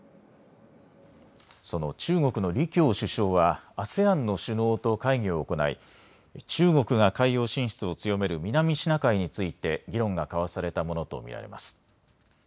その中国の李強首相はＡＳＥＡＮの首脳と会議を行い中国が海洋進出を強める南シナ海について議論が交わされたものと見られます。